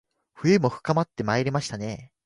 冬も深まってまいりましたね